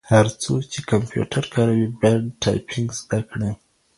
هر څوک چي کمپیوټر کاروي باید ټایپنګ زده کړي.